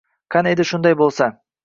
Qani edi, shunday bo`lsa